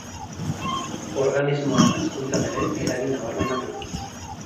Organismoaren hazkuntzan ere eragin nabarmena du.